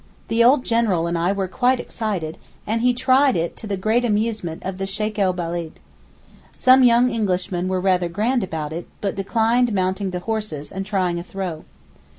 The old General and I were quite excited, and he tried it to the great amusement of the Sheykh el Beled. Some young Englishmen were rather grand about it, but declined mounting the horses and trying a throw.